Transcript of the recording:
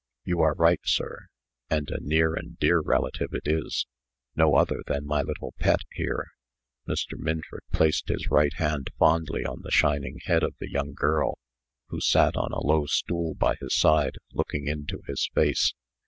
"You are right, sir. And a near and dear relative it is no other than my little Pet here." Mr. Minford placed his right hand fondly on the shining head of the young girl, who sat on a low stool by his side, looking into his face.